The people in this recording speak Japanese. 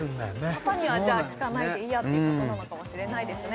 パパには聞かないでいいやってことなのかもしれないですね